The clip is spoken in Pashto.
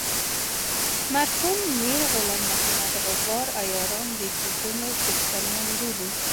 مرحوم میر غلام محمد غبار عیاران د ښیګڼو څښتنان بولي.